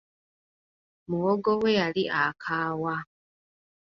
Muwogo we yali akaawa.